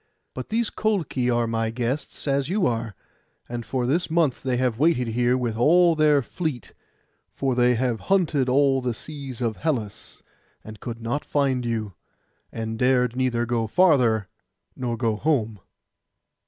But these Colchi are my guests, as you are; and for this month they have waited here with all their fleet, for they have hunted all the seas of Hellas, and could not find you, and dared neither go farther, nor go home.